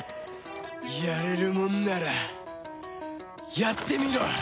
やれるもんならやってみろ！